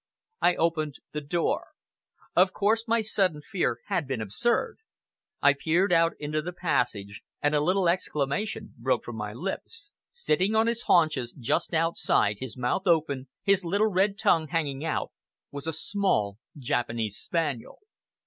I opened the door. Of course, my sudden fear had been absurd. I peered out into the passage, and a little exclamation broke from my lips. Sitting on his haunches just outside, his mouth open, his little, red tongue hanging out, was a small Japanese spaniel.